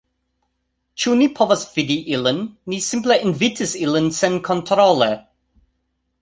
Ĉu ni povas fidi ilin? Ni simple invitis ilin senkontrole